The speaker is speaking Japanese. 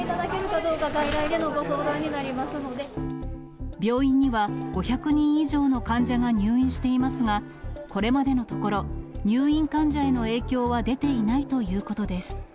外来でのご相談になりますの病院には、５００人以上の患者が入院していますが、これまでのところ、入院患者への影響は出ていないということです。